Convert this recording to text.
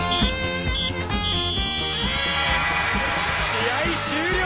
試合終了！